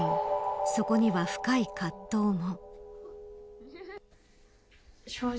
そこには、深い葛藤も。